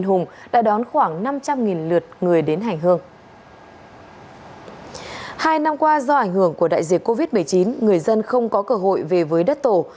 hai năm qua do ảnh hưởng của đại dịch covid một mươi chín người dân không có cơ hội về với đất tổ